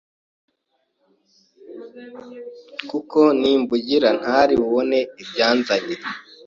kuko nimbugira ntari bubone ibyanzanye,